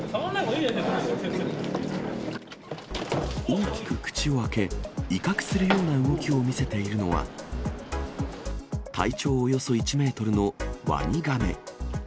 大きく口を開け、威嚇するような動きを見せているのは、体長およそ１メートルのワニガメ。